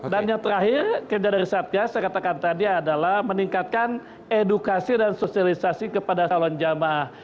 dan yang terakhir kerja dari satgas adalah meningkatkan edukasi dan sosialisasi kepada calon jamaah